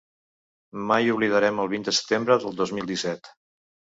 Mai oblidarem el vint de setembre del dos mil disset.